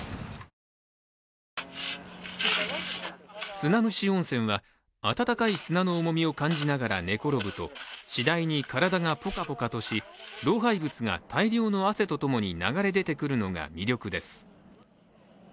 砂むし温泉は、温かい砂の重みを感じながら寝転ぶと次第に体がポカポカとし老廃物が大量の汗と共に流れ出てくるのが魅力です。